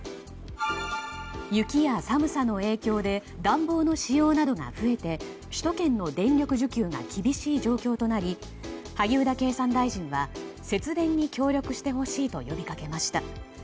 雪や寒さの影響で暖房の使用などが増えて首都圏の電力需給が厳しい状況となり萩生田経産大臣は節電に協力してほしいと呼びかけました。